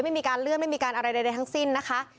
ไม่มีการเลื่อนไม่มีการอะไรใดทั้งสิ้นนะคะ